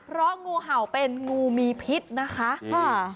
เพราะงูเห่าเป็นงูมีพิษนะคะค่ะ